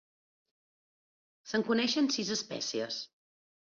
Se'n coneixen sis espècies.